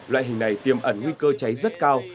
loại hình này tiêm ẩn nguy cơ cháy rất cao